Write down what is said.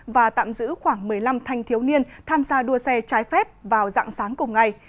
và tạm giữ khoảng một mươi năm thanh thiếu niên tham gia đua xe trái phép vào dạng sáng cùng ngày